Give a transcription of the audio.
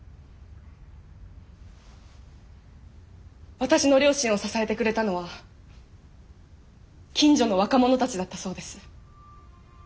私の両親を支えてくれたのは近所の若者たちだったそうです。